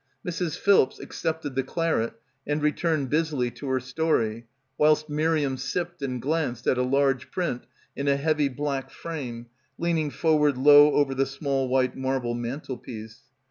Mrs. Philps accepted the claret and returned busily to her story, whilst Miriam sipped and glanced at a large print in a heavy black frame leaning forward low over the small white marble mantelpiece.